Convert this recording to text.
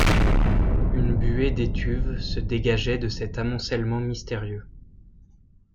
Une buée d’étuve se dégageait de cet amoncellement mystérieux.